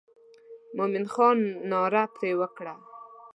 مومن خان ناره پر وکړه.